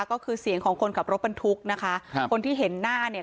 ก็คือเสียงของคนขับรถบรรทุกนะคะครับคนที่เห็นหน้าเนี่ย